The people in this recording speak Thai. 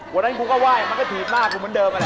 ตอนนี้คุณก็ไหว้มันก็ปีบหน้าคือเหมือนเดิมแหละ